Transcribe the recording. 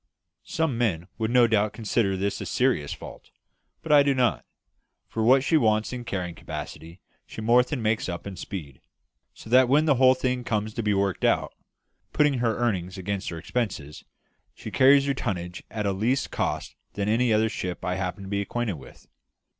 Some men would no doubt consider this a serious fault; but I do not, for what she wants in carrying capacity she more than makes up in speed; so that when the whole thing comes to be worked out, putting her earnings against her expenses, she carries her tonnage at a less cost than any other ship I happen to be acquainted with."